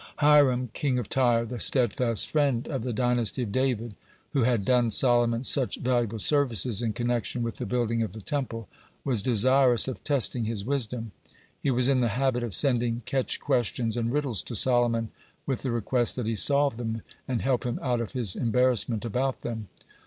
(35) Hiram, king of Tyre, the steadfast friend of the dynasty of David, who had done Solomon such valuable services in connection with the building of the Temple, was desirous of testing his wisdom. He was in the habit of sending catch questions and riddles to Solomon with the request that he solve them and help him out of his embarrassment about them.